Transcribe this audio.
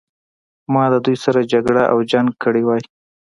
ما د دوی سره جګړه او جنګ کړی وای.